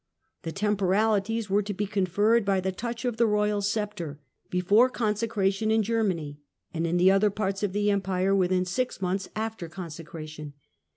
The tem poralities were to be conferred by the touch of the royal sceptre, before consecration in Germany, and in the other parts of the Empire within six months after consecration.